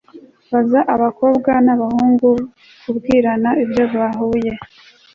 baza abakobwa n'abahungu kubwirana ibyo bahuye